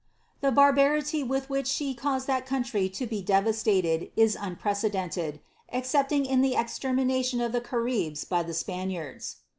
The barbarity with which ahe caused that country to d, is unprecedented, excepting in the extermination of the a Spaniards.